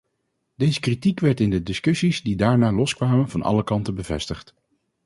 Deze kritiek werd in de discussies die daarna loskwamen van alle kanten bevestigd.